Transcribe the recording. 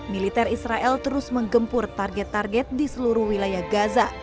militer israel terus menggempur target target di seluruh wilayah gaza